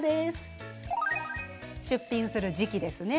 出品する時期です。